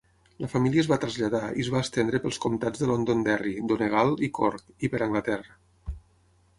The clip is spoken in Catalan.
La família es va traslladar i es va estendre pels comtats de Londonderry, Donegal i Cork, i per Anglaterra.